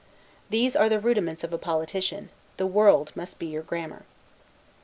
These are the rudiments of a politician; the world must be your grammar.